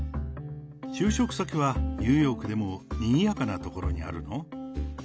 就職先はニューヨークでもにぎやかな所にあるの？